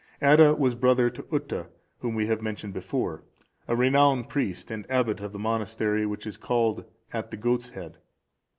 Adda was brother to Utta, whom we have mentioned before,(407) a renowned priest, and abbot of the monastery which is called At the Goat's Head.